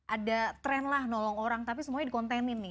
ada tren lah nolong orang tapi semuanya dikontenin nih